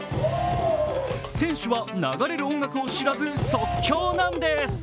選手は流れる音楽を知らず即興なんです。